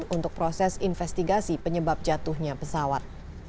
untuk proses investigasi penyebab jatuhnya pesawat